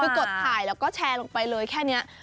คือกดถ่ายแล้วก็แชร์ลงไปเลยแค่นี้